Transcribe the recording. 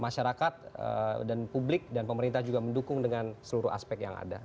masyarakat dan publik dan pemerintah juga mendukung dengan seluruh aspek yang ada